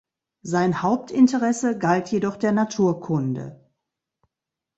Sein Hauptinteresse galt jedoch der Naturkunde.